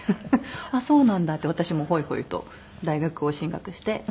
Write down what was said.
「あっそうなんだ」って私もほいほいと大学を進学して。